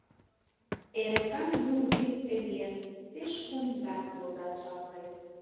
Эрыкан Юл вӱд эҥер, пеш кумдан возат шарлен.